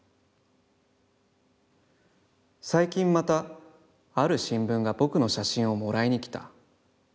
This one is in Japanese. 最近また、ある新聞が僕の写真をもらいに来た。